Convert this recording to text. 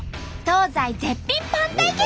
東西絶品パン対決！